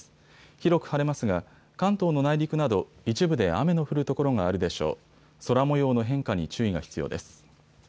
広く晴れますが、関東の内陸など一部で雨の降る所があるでしょう。